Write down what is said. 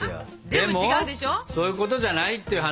でもそういうことじゃないっていう話ですよね。